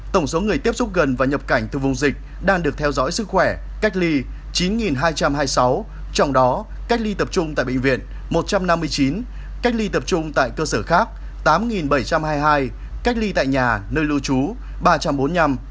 tổng số người tiếp xúc gần và nhập cảnh từ vùng dịch đang được theo dõi sức khỏe cách ly chín hai trăm hai mươi sáu trong đó cách ly tập trung tại bệnh viện một trăm năm mươi chín cách ly tập trung tại cơ sở khác tám bảy trăm hai mươi hai cách ly tại nhà nơi lưu trú ba trăm bốn mươi năm